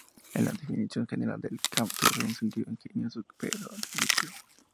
En la definición general del "camp" surge un sentido ingenioso, pero ridículo.